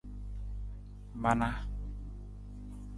Manaa.